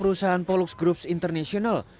perusahaan polux groups international